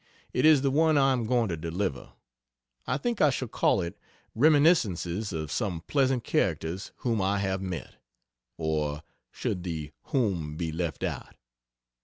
It is the one I am going to deliver. I think I shall call it "Reminiscences of Some Pleasant Characters Whom I Have Met," (or should the "whom" be left out?)